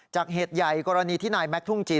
เหตุใหญ่กรณีที่นายแม็กทุ่งจีน